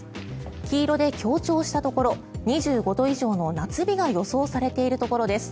黄色で強調したところ２５度以上の夏日が予想されているところです。